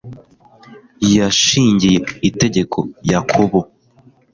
yashingiye itegeko yakobo